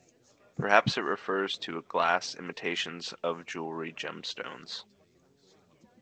Perhaps it refers to glass imitations of jewellery gemstones.